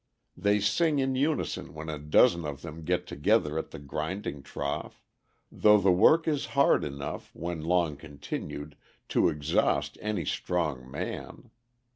They sing in unison when a dozen of them get together at the grinding trough; though the work is hard enough, when long continued, to exhaust any strong man.